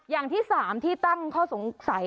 อย่างที่๓ที่ตั้งข้อสงสัย